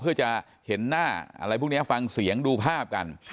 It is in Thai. เพื่อจะเห็นหน้าอะไรพวกนี้ฟังเสียงดูภาพกัน